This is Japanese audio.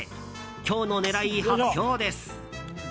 今日の狙い、発表です。